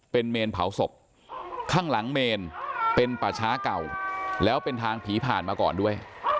เป็นเมนเผาศพข้างหลังเมนเป็นป่าช้าเก่าแล้วเป็นทางผีผ่านมาก่อนด้วย